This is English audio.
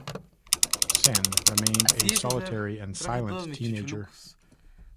Sen remained a solitary and silent teenager.